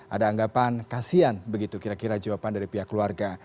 ada anggapan kasian begitu kira kira jawaban dari pihak keluarga